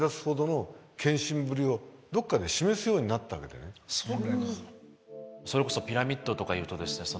でもそれこそピラミッドとかいうとですね